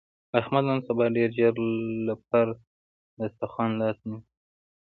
احمد نن سبا ډېر ژر له پر دستاخوان لاس نسي.